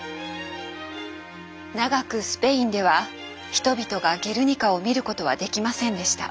長くスペインでは人々が「ゲルニカ」を見ることはできませんでした。